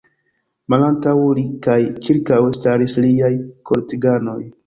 Malantaŭ li kaj ĉirkaŭe staris liaj korteganoj.